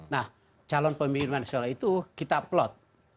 nah calon pemilih nasional itu kita plot